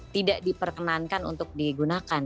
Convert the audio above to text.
tidak diperkenankan untuk digunakan